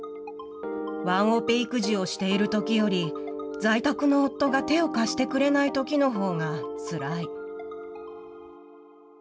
ワンオペ育児をしているときより、在宅の夫が手を貸してくれないときのほうがつらい。